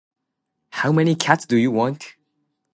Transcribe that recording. How many cats do you want